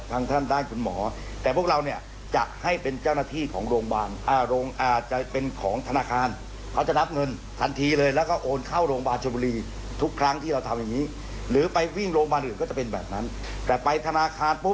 ทนาคารอ่ะได้โอนเข้าบัญชีของเขาก็บอกว่าเขาบอกว่ามีอะไรไม่รู้